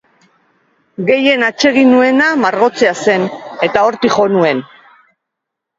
Gehien atsegin nuena margotzea zen eta hortik jo nuen.